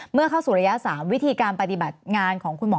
เมื่อเข้าสู่ระยะ๓วิธีการปฏิบัติงานของคุณหมอ